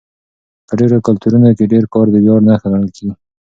په ډېرو کلتورونو کې ډېر کار د ویاړ نښه ګڼل کېږي.